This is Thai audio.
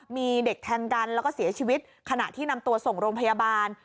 มีเด็กแทงกันแล้วก็เสียชีวิตขณะที่นำตัวส่งโรงพยาบาล